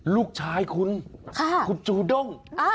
ลูกชายคุณคุณจูด้ง